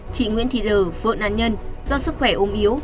chị nguyễn thị lờ vợ nạn nhân do sức khỏe ôm yếu